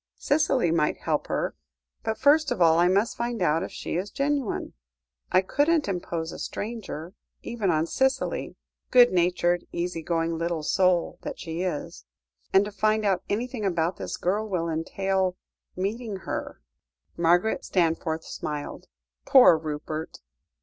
Cicely might help her, but, first of all, I must find out if she is genuine. I couldn't impose a stranger, even on Cicely, good natured, easy going little soul that she is. And to find out anything about this girl will entail meeting her!" Margaret Stanforth smiled. "Poor Rupert!"